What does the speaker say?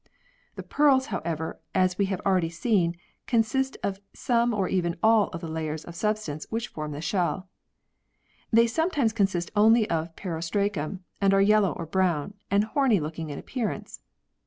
The pearls, however, as we have already seen, consist of some or even all of the layers of substance which form the shell. They sometimes consist only of periostracum and are yellow or brown and horny looking in appearance.